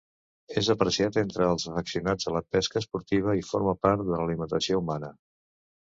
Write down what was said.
És apreciat entre els afeccionats a la pesca esportiva i forma part de l'alimentació humana.